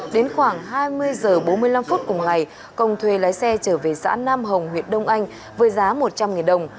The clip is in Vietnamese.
đến khoảng hai mươi h bốn mươi năm phút cùng ngày công thuê lái xe trở về xã nam hồng huyện đông anh với giá một trăm linh đồng